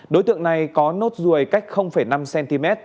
đối tượng này có nốt ruồi cách năm cm